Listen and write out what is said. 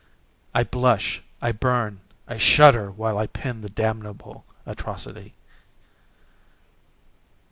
I blush, I burn, I shudder, while I pen the damnable atrocity.